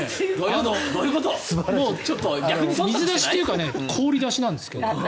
水出しというか氷出しなんですけど。